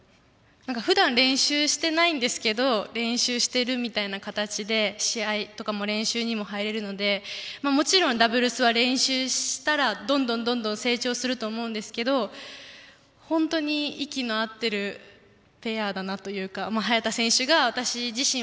ふだん練習してないんですけど練習しているみたいな形で試合とか練習にも入れるのでもちろん、ダブルスは練習したらどんどんどんどん成長すると思うんですけど本当に息の合ってるペアだなというか早田選手が私自身を